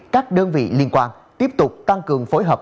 các đơn vị liên quan tiếp tục tăng cường phối hợp